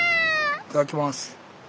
いただきます！